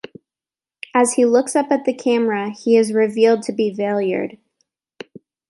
As he looks up at the camera, he is revealed to be the Valeyard.